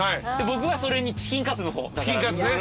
僕はそれにチキンカツの方。